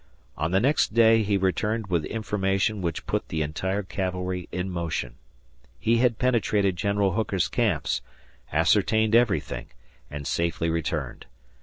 On the next day he returned with information which put the entire cavalry in motion. He had penetrated General Hooker's camps, ascertained everything, and safely returned.